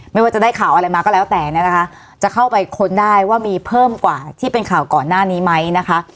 ไม่ว่าจะได้ข่าวอะไรมาก็แล้วแต่เนี่ยนะคะจะเข้าไปค้นได้ว่ามีเพิ่มกว่าที่เป็นข่าวก่อนหน้านี้ไหมนะคะ